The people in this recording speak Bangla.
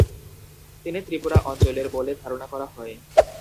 তিনি ত্রিপুরা অঞ্চলের বলে ধারণা করা হয়।